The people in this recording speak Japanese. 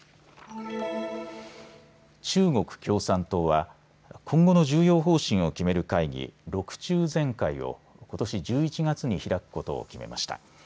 中国共産党は今後の重要方針を決める会議、６中全会をことし１１月に開くことを決めました。